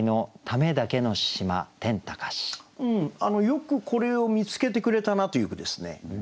よくこれを見つけてくれたなという句ですね。